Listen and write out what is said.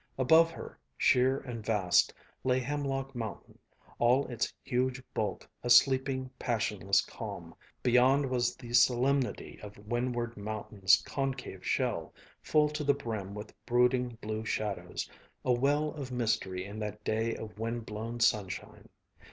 Above her, sheer and vast, lay Hemlock Mountain, all its huge bulk a sleeping, passionless calm. Beyond was the solemnity of Windward Mountain's concave shell, full to the brim with brooding blue shadows, a well of mystery in that day of wind blown sunshine.